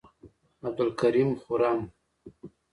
عبدالکریم خرم،